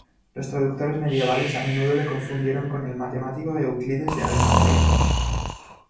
Los traductores medievales a menudo le confundieron con el matemático Euclides de Alejandría.